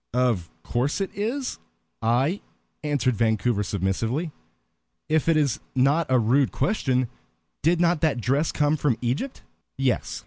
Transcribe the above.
"Of course it is I," answered Vancouver, submissively. "If it is not a rude question, did not that dress come from Egypt?" "Yes."